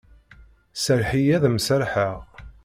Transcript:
Serreḥ-iyi ad am-serrḥeɣ.